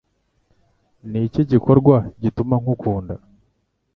Niki gikorwa gituma nkukunda